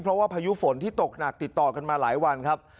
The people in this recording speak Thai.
เพราะว่าพายุฝนที่ตกหนักติดต่อกันมาหลายวันครับ